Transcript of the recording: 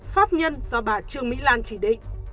pháp nhân do bà trương mỹ lan chỉ định